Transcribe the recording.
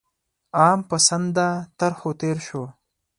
عام پسنده طرحو تېر شو.